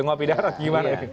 kopi darat gimana